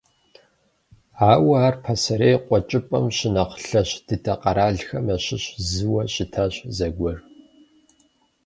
Ауэ ар пасэрей Къуэкӏыпӏэм щынэхъ лъэщ дыдэ къэралхэм ящыщ зыуэ щытащ зэгуэр.